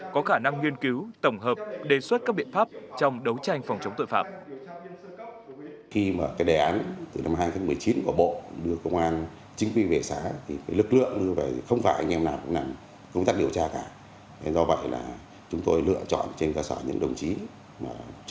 có khả năng nghiên cứu tổng hợp đề xuất các biện pháp trong đấu tranh phòng chống tội phạm